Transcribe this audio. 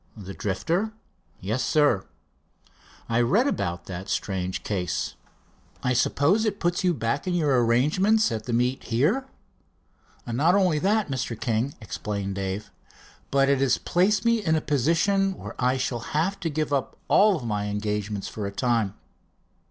"The Drifter?" "Yes, sir." "I read about that strange case. I suppose it puts you back in your arrangements at the meet here?" "Not only that, Mr. King," explained Dave, "but it has placed me in a position where I shall have to give up all my engagements for a time."